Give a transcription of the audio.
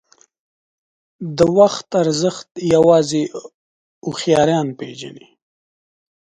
• د وخت ارزښت یوازې هوښیاران پېژني.